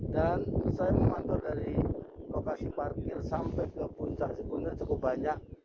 dan saya mengantar dari lokasi parkir sampai ke puncak sikunir cukup banyak